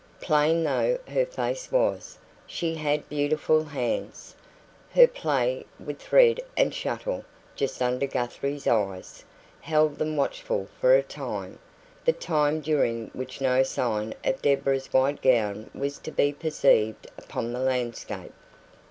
Plain though her face was, she had beautiful hands. Her play with thread and shuttle, just under Guthrie's eyes, held them watchful for a time the time during which no sign of Deborah's white gown was to be perceived upon the landscape.